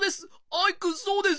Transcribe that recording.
アイくんそうです。